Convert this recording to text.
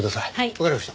わかりました。